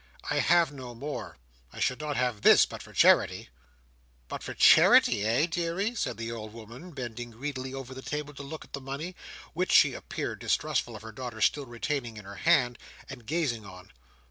"I have no more. I should not have this, but for charity." "But for charity, eh, deary?" said the old woman, bending greedily over the table to look at the money, which she appeared distrustful of her daughter's still retaining in her hand, and gazing on.